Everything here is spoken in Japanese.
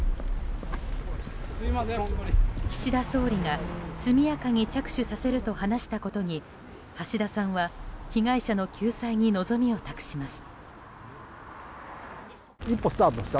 岸田総理が速やかに着手させると話したことに橋田さんは被害者の救済に望みを託します。